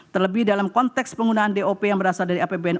terlebih dalam konteks penggunaan dop yang berasal dari apbn